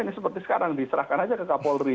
ini seperti sekarang diserahkan aja ke kapolri